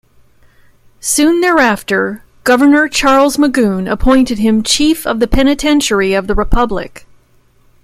Soon thereafter, Governor Charles Magoon appointed him Chief of the Penitentiary of the Republic.